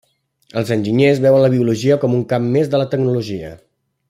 Els enginyers veuen la biologia com un camp més de la tecnologia.